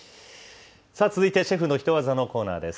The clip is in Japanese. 続いてシェフのヒトワザのコーナーです。